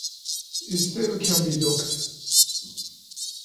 Its tail can be docked.